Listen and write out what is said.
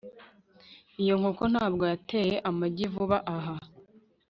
Iyo nkoko ntabwo yateye amagi vuba aha